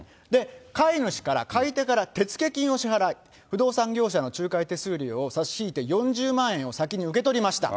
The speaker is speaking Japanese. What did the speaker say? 買い主から、買い手から手付金を支払い、不動産業者の仲介手数料を差し引いて４０万円を先に受け取りました。